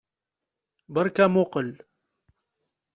Beṛka amuqqel!